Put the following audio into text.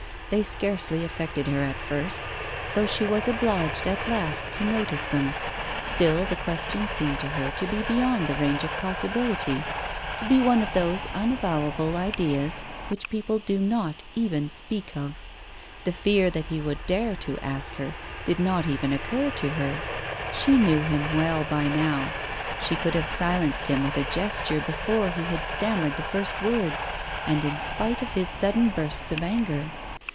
They scarcely affected her at first, though she was obliged at last to notice them; still the question seemed to her to be beyond the range of possibility, to be one of those unavowable ideas which people do not even speak of. The fear that he would dare to ask her did not even occur to her; she knew him well by now; she could have silenced him with a gesture, before he had stammered the first words, and in spite of his sudden bursts of anger.